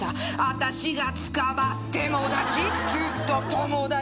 「私が捕まってもダチずっと友達」